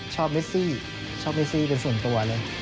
เมซี่ชอบเมซี่เป็นส่วนตัวเลย